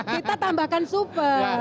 kita tambahkan super